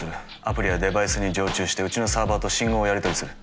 アプリはデバイスに常駐してうちのサーバーと信号をやり取りする。